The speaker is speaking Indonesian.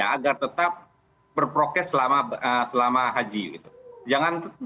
agar tetap berprokes selama haji